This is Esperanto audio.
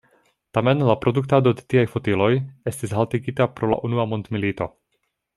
Tamen la produktado de tiaj fotiloj estis haltigita pro la unua mondmilito.